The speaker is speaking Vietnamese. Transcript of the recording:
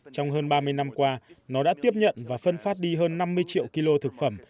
trong hơn ba mươi năm qua nó đã tiếp nhận và phân phát đi hơn năm mươi triệu kg thực phẩm